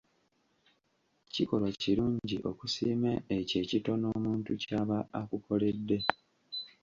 Kikolwa kirungi okusiima ekyo ekitono omuntu ky'aba akukoledde.